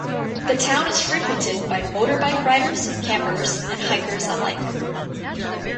The town is frequented by motorbike riders, campers and hikers alike.